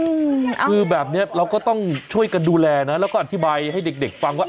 อืมอ๋อคือแบบนี้เราก็ต้องช่วยกันดูแลน่ะแล้วก็อธิบายให้เด็กฟังว่า